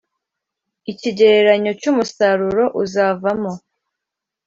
Ikigereranyo cy umusaruro uzavamo